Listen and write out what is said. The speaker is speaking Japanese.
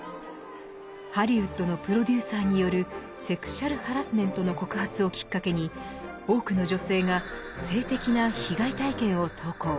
ハリウッドのプロデューサーによるセクシャルハラスメントの告発をきっかけに多くの女性が性的な被害体験を投稿。